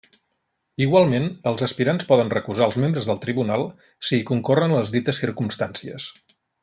Igualment, els aspirants poden recusar els membres del tribunal si hi concorren les dites circumstàncies.